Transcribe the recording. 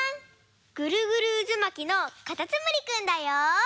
ぐるぐるうずまきのかたつむりくんだよ！